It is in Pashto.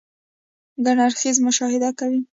ګڼ اړخيزه مشاهده کوئ -